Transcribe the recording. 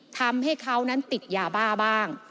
ทำให้เขานั้นติดยาบ้าบ้าง